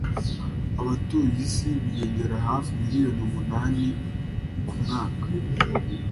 Abatuye isi biyongera hafi miliyoni umunani ku mwaka. )